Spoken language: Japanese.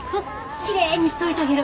きれいにしといたげる。